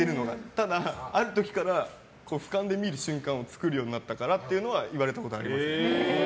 ただ、ある時から俯瞰で見る瞬間を作るようになったっていうのは言われたことあります。